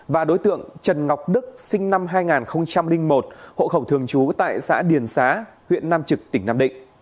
và đối tượng trần ngọc đức sinh năm hai nghìn một hộ khẩu thường trú tại xã điền xá huyện nam trực tỉnh nam định